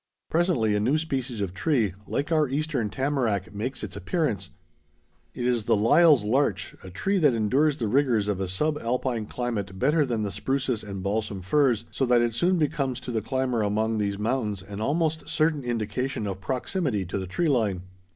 Presently a new species of tree, like our Eastern tamarack, makes its appearance. It is the Lyall's larch, a tree that endures the rigors of a subalpine climate better than the spruces and balsam firs, so that it soon becomes to the climber among these mountains an almost certain indication of proximity to the tree line.